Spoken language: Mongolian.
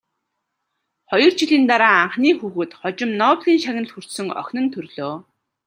Хоёр жилийн дараа анхны хүүхэд, хожим Нобелийн шагнал хүртсэн охин нь төрлөө.